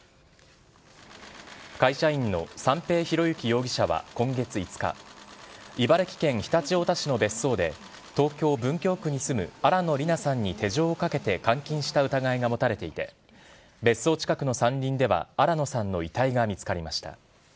会社員の三瓶博幸容疑者は今月５日、茨城県常陸太田市の別荘で、東京・文京区に住む新野りなさんに手錠をかけて監禁した疑いが持たれていて、別荘近くの山林では、新野さんの遺体が見つかりました。